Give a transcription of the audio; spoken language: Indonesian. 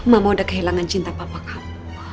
mama udah kehilangan cinta papa kamu